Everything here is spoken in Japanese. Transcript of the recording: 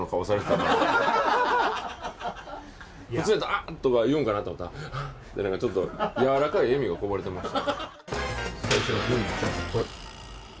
あっとか言うかなと思ったらちょっとやわらかい笑みがこぼれてました。